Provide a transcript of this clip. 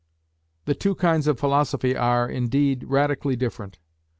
The two kinds of philosophy are, indeed, radically different.